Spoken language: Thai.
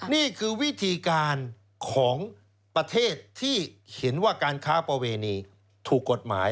นี่คือวิธีการของประเทศที่เห็นว่าการค้าประเวณีถูกกฎหมาย